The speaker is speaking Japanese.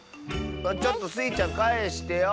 ちょっとスイちゃんかえしてよ。